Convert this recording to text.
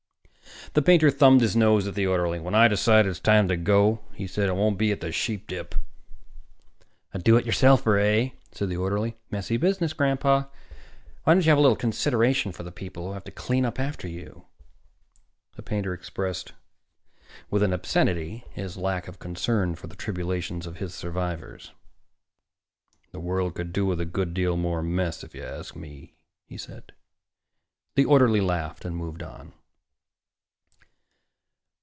The painter thumbed his nose at the orderly. "When I decide it's time to go," he said, "it won't be at the Sheepdip." "A do it yourselfer, eh?" said the orderly. "Messy business, Grandpa. Why don't you have a little consideration for the people who have to clean up after you?" The painter expressed with an obscenity his lack of concern for the tribulations of his survivors. "The world could do with a good deal more mess, if you ask me," he said. The orderly laughed and moved on.